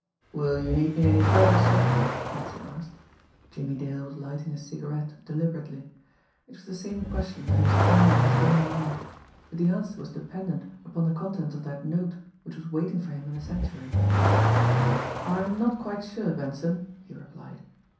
"Will you need me any further, sir?" Benson asked. Jimmie Dale was lighting a cigarette deliberately it was the same question that he was pondering in his own mind, but the answer was dependent upon the contents of that note which was waiting for him in the Sanctuary. "I am not quite sure, Benson," he replied.